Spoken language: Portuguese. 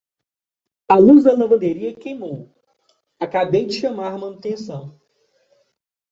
A luz da lavanderia queimou, acabei de chamar a manutenção.